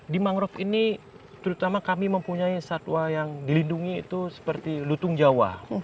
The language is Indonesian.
di mangrove ini terutama kami mempunyai satwa yang dilindungi itu seperti lutung jawa